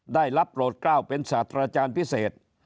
ได้รับโปรดกล้าวเป็นศาสตราจารย์พิเศษ